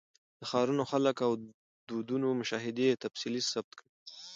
د ښارونو، خلکو او دودونو مشاهده یې تفصیلي ثبت کړې.